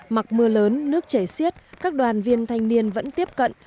mặc mưa lớn nước chảy xiết các đoàn viên thanh niên vẫn tiếp cận